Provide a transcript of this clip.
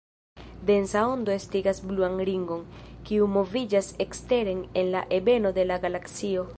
Densa ondo estigas bluan ringon, kiu moviĝas eksteren en la ebeno de la galaksio.